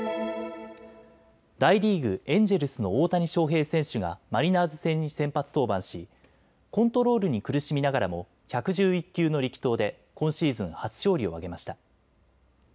大リーグ、エンジェルスの大谷翔平選手がマリナーズ戦に先発登板しコントロールに苦しみながらも１１１球の力投で今シーズン初勝利を挙げました。